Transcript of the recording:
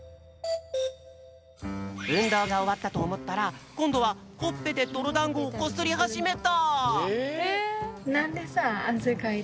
うんどうがおわったとおもったらこんどはほっぺでどろだんごをこすりはじめた！